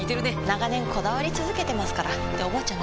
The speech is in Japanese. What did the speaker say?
長年こだわり続けてますからっておばあちゃん